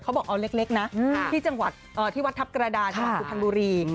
เขาบอกเอาเล็กนะที่จังหวัดที่วัดทับกระดาษที่วัดภูทันบุรี